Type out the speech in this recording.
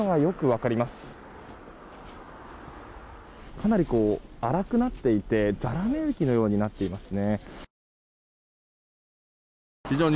かなり粗くなっていてざらめ雪のようになっていますね。